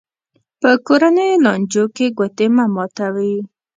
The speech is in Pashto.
په کورنیو لانجو کې ګوتې مه ماتوي.